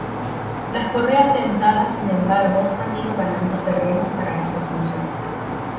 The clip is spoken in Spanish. Las correas dentadas sin embargo han ido ganado terreno para esta función.